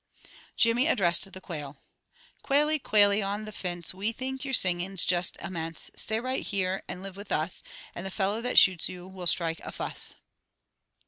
Jimmy addressed the quail: "Quailie, quailie on the fince, We think your singin's just imminse. Stay right here, and live with us, And the fellow that shoots you will strike a fuss."